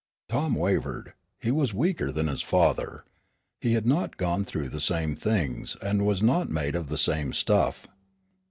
Tom wavered. He was weaker than his father. He had not gone through the same things, and was not made of the same stuff.